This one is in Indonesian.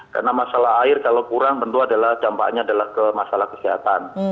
karena masalah air kalau kurang tentu adalah dampaknya adalah ke masalah kesehatan